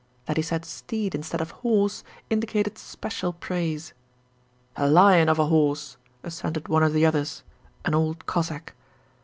That he said steed instead of HORSE indicated special praise. 'A lion of a horse,' assented one of the others, an old Cossack.